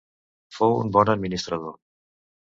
Fou un bon administrador.